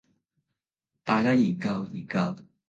大家研究研究